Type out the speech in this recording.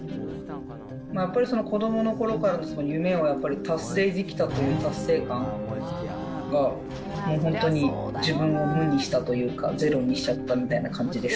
やっぱり子どものころからの夢をやっぱり達成できたという達成感が、もう本当に自分を無にしたというか、ゼロにしちゃったみたいな感じです。